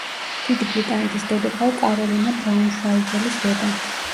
დიდი ბრიტანეთის დედოფალ კაროლინა ბრაუნშვაიგელის დედა.